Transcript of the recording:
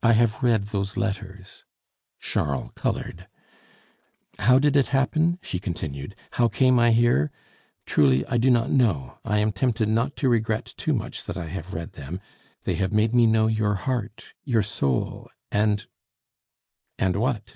"I have read those letters." Charles colored. "How did it happen?" she continued; "how came I here? Truly, I do not know. I am tempted not to regret too much that I have read them; they have made me know your heart, your soul, and " "And what?"